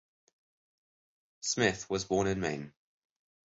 Smith was born in Maine.